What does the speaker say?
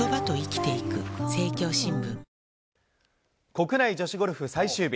国内女子ゴルフ最終日。